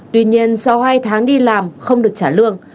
tuy nhiên sau hai tháng đi làm không được trả lương